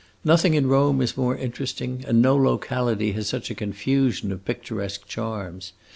Nothing in Rome is more interesting, and no locality has such a confusion of picturesque charms.